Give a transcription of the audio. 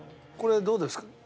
これどうですか？